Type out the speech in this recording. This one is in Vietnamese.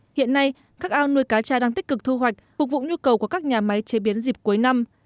hiện nay các ao nuôi cá tra đang tích cực thu hoạch phục vụ nhu cầu của các nhà máy chế biến dịp cuối năm